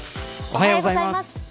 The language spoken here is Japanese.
おはようございます。